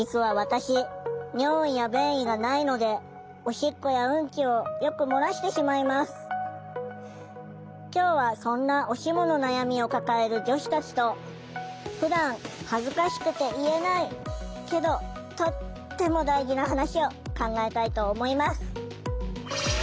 実は私今日はそんなおシモの悩みを抱える女子たちとふだん恥ずかしくて言えないけどとっても大事な話を考えたいと思います！